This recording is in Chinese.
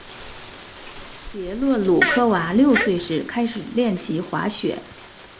别洛鲁科娃六岁时开始练习滑雪。